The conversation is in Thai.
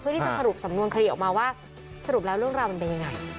ที่จะสรุปสำนวนคดีออกมาว่าสรุปแล้วเรื่องราวมันเป็นยังไง